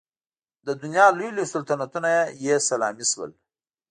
د دنیا لوی لوی سلطنتونه یې سلامي شول.